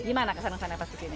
gimana kesana kesana pas ke sini